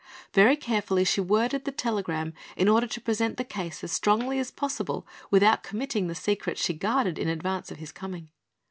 Very carefully she worded the telegram, in order to present the case as strongly as possible without committing the secrets she guarded in advance of his coming.